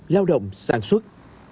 lao động sản xuất